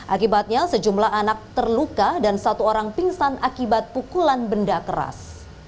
akibatnya sejumlah anak terluka dan satu orang pingsan akibat pukulan benda keras